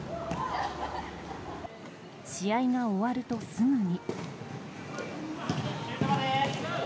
試合が終わると、すぐに。